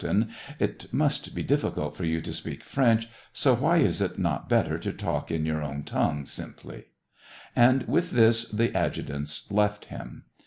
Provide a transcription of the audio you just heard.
113 tain — It must be difficult for you to speak French, so why is it not better to talk in your own tongue simply ?... And with this the adjutants left him.